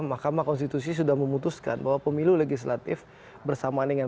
mahkamah konstitusi sudah memutuskan bahwa pemilu legislatif bersama dengan